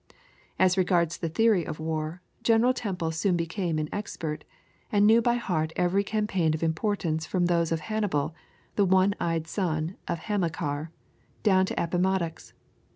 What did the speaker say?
As regards the theory of war, General Temple soon became an expert, and knew by heart every campaign of importance from those of Hannibal, the one eyed son of Hamilcar, down to Appomattox.